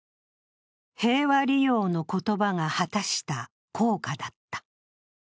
平和利用の言葉が果たした効果だった。